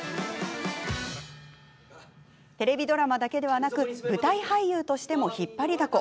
テレビドラマだけでなく舞台俳優としても引っ張りだこ。